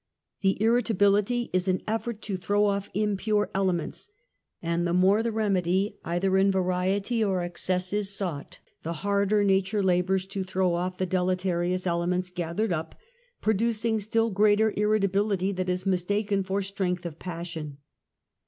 The irritability is an effort to throw off impure elements, and the more the remedy in either variety or excuse is sought, the harder nature labors to throw off the deleterious elements gathered up, producing still greater irrita bility that is mistaken for strength of passion.